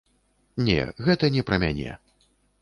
Не, гэта не пра мяне.